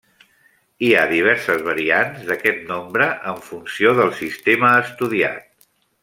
Hi ha diverses variants d'aquest nombre en funció del sistema estudiat.